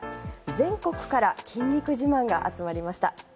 全国から筋肉自慢が集まりました。